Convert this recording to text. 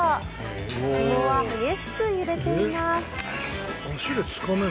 ひもは激しく揺れています。